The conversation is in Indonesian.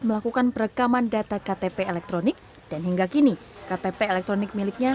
melakukan perekaman data ktp elektronik dan hingga kini ktp elektronik miliknya